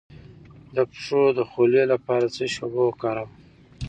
د پښو د خولې لپاره د څه شي اوبه وکاروم؟